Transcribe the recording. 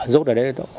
rút ở đấy thôi